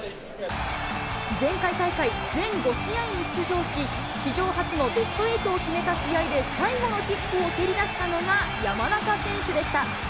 前回大会全５試合に出場し、史上初のベストエイトを決めた試合で試合で最後のキックを蹴り出したのが、山中選手でした。